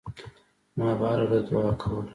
ما به هره ورځ دعا کوله.